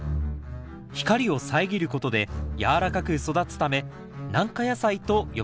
光を遮ることで軟らかく育つため「軟化野菜」と呼ばれています。